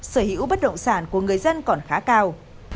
sở hữu bất động sản của người dân còn khá cao